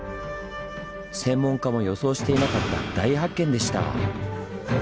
専門家も予想していなかった大発見でした。